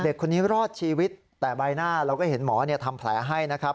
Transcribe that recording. เด็กคนนี้รอดชีวิตแต่ใบหน้าเราก็เห็นหมอทำแผลให้นะครับ